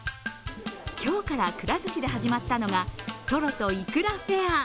今日から、くら寿司で始まったのがとろといくらフェア。